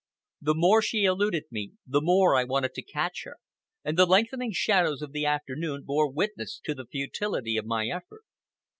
The more she eluded me, the more I wanted to catch her, and the lengthening shadows of the afternoon bore witness to the futility of my effort.